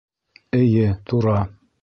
Эйе, тура